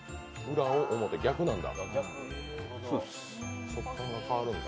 裏表、逆なんだ。